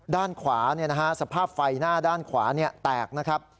ด้านขวาสภาพไฟหน้าด้านขวาแตกนะครับ